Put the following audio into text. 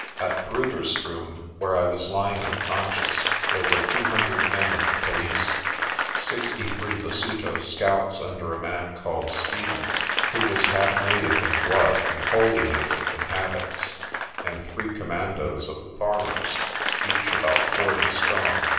At Bruderstroom, where I was lying unconscious, there were two hundred men of the police ; sixty three Basuto scouts under a man called Stephen, who was half native in blood and wholly native in habits; and three commandoes of the farmers, each about forty strong.